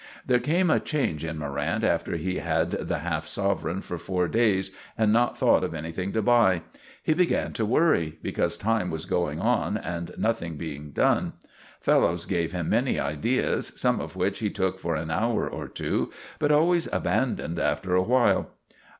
There came a change in Morrant after he had had the half sovereign for four days and not thought of anything to buy. He began to worry, because time was going on and nothing being done. Fellows gave him many ideas, some of which he took for an hour or two, but always abandoned after a while.